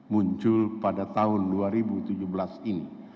muncul pada tahun dua ribu tujuh belas ini